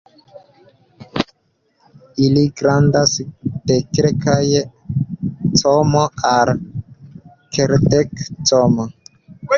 Ili grandas de kelkaj cm al kelkdek cm.